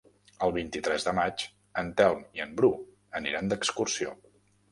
El vint-i-tres de maig en Telm i en Bru aniran d'excursió.